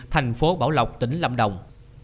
thành phố bảo lộc tỉnh lâm đồng